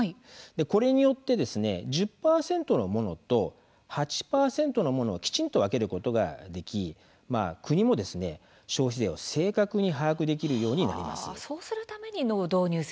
これによって１０％のものと８％のものをきちんと分けることができ国も消費税を正確に把握できるようになります。